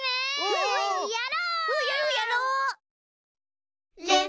うんやろうやろう！